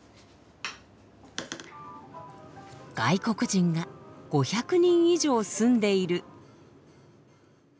外国人が５００人以上住んでいる。